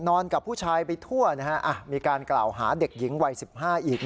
กับผู้ชายไปทั่วมีการกล่าวหาเด็กหญิงวัย๑๕อีก